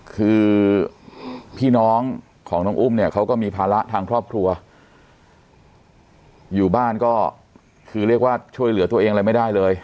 คือพี่น้องของน้องอุ้มเนี่ยเขาก็มีภาระทางครอบครัวอยู่บ้านก็คือเรียกว่าช่วยเหลือตัวเองอะไรไม่ได้เลย